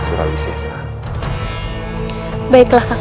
surau sessa baiklah kakak